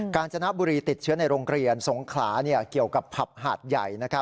การจนบุรีติดเชื้อในโรงเรียนสงขลาเกี่ยวกับผับหาดใหญ่